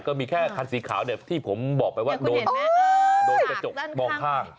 ก็มีแค่คันสีขาวเนี่ยที่ผมบอกไปว่าโดนกระจกมองข้าง